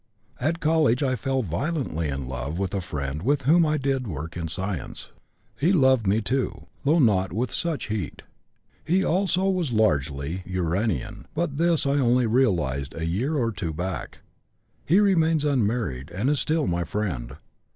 At college I fell violently in love with a friend with whom I did work in science. He loved me too, though not with such heat. He also was largely uranian, but this I only realized a year or two back. He remains unmarried, and is still my friend.